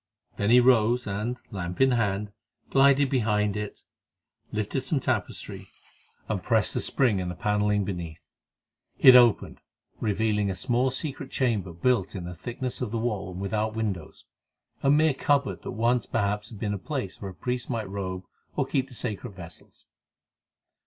Then he rose and, lamp in hand, glided behind it, lifted some tapestry, and pressed a spring in the panelling beneath. It opened, revealing a small secret chamber built in the thickness of the wall and without windows; a mere cupboard that once perhaps had been a place where a priest might robe or keep the sacred vessels.